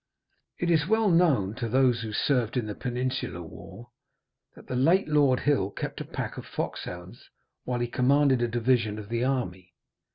It is well known to those who served in the Peninsular War, that the late Lord Hill kept a pack of foxhounds while he commanded a division of the army.